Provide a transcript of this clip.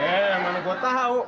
eh mana gua tahu